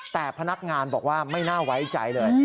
แต่พนักงานบอกว่าไม่น่าไว้ใจเลย